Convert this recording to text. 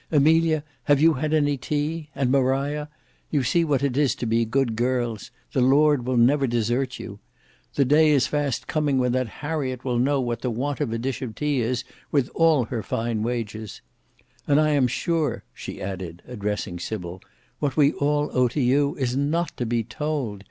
Amelia, have you had any tea? And Maria? You see what it is to be good girls; the Lord will never desert you. The day is fast coming when that Harriet will know what the want of a dish of tea is, with all her fine wages. And I am sure," she added, addressing Sybil, "what we all owe to you is not to be told.